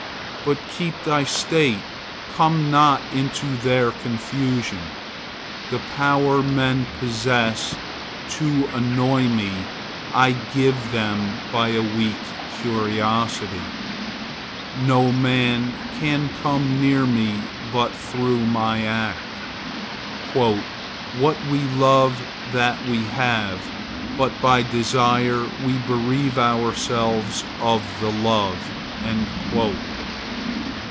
But keep thy state; come not into their confusion. The power men possess to annoy me I give them by a weak curiosity. No man can come near me but through my act. "What we love that we have, but by desire we bereave ourselves of the love."